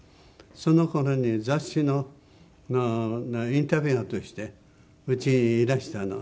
その頃に雑誌のインタビュアーとしてうちにいらしたの。